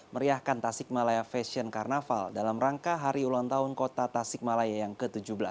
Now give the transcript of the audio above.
meriahkan tasik malaya fashion carnaval dalam rangka hari ulang tahun kota tasikmalaya yang ke tujuh belas